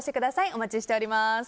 お待ちしております。